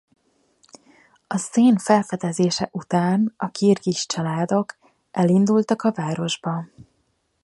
A szén felfedezése után a kirgiz családok elindultak a városba.